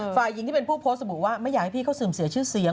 ฝ่ายหญิงที่เป็นผู้โพสต์ระบุว่าไม่อยากให้พี่เขาเสื่อมเสียชื่อเสียง